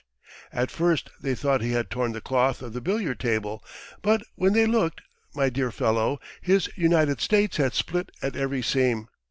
At first they thought he had torn the cloth of the billiard table, but when they looked, my dear fellow, his United States had split at every seam!